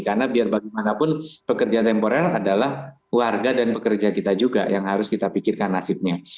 karena biar bagaimanapun pekerja temporal adalah warga dan pekerja kita juga yang harus kita pikirkan nasibnya